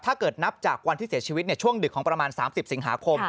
ถ้าเกิดนับจากวันที่เสียชีวิตช่วงดึกของประมาณ๓๐สิงหาคม